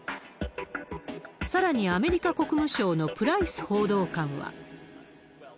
さらに、アメリカ国務省のプライス報道官は。